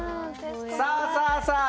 さあさあ